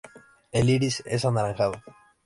El iris es anaranjado.